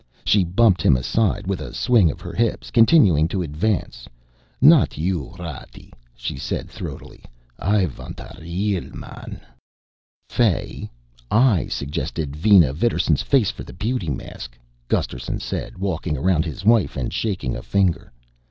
She bumped him aside with a swing of her hips, continuing to advance. "Not you, Ratty," she said throatily. "I vant a real man." "Fay, I suggested Vina Vidarsson's face for the beauty mask," Gusterson said, walking around his wife and shaking a finger.